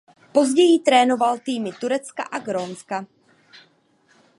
Později trénoval týmy Turecka a Grónska.